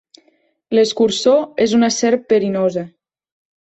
L'escurçó és una serp verinosa.